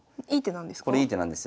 これいい手なんですか？